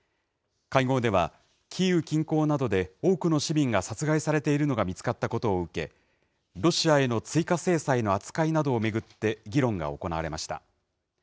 会合では、キーウ近郊などで多くの市民が殺害されているのが見つかったことを受け、ロシアへの追加制裁の扱いなどを巡って議論が行われました。